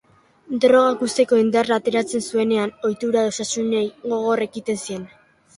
Drogak uzteko indarra ateratzen zuenean, ohitura osasuntsuei gogor ekiten zien